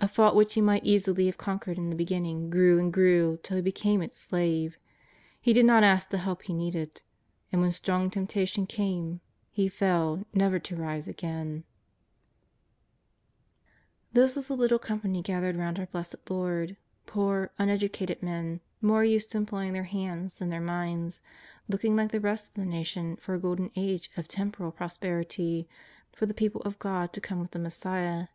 A fault which he might easily have conquered in the beginning grew and grew till he became its slave. He did not ask the help he needed, and when strong temptation came he fell never to rise again. JESUS OF NAZABETH. 199 This was the little company gathered round our Blessed Lord — poor, uneducated men, more used to employing their hands than their minds, looking like the rest of the nation for a golden age of tempera? prosperity, for the people of God to come with the Mea siah.